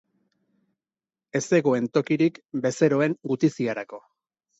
Ez zegoen tokirik bezeroen gutiziarako.